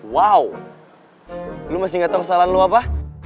wow lo masih gak tau kesalahan lo apa